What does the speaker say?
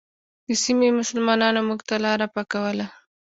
د سیمې مسلمانانو موږ ته لاره پاکوله.